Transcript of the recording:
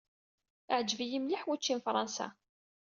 Iɛǧeb-iyi mliḥ wučči n Fransa.